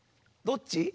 どっち？